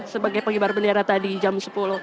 sebagai penghibar bendera tadi jam sepuluh